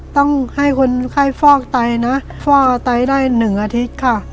ต้องให้คนไข้ฟอกไตนะฟอกไตได้๑อาทิตย์ค่ะ